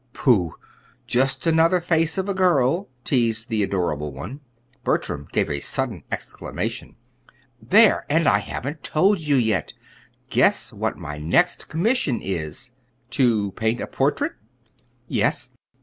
"Pooh! Just another face of a girl," teased the adorable one. Bertram gave a sudden exclamation. "There! And I haven't told you, yet. Guess what my next commission is." "To paint a portrait?" "Yes."